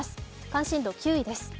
関心度９位です。